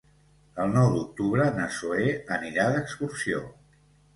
El nou d'octubre na Zoè anirà d'excursió.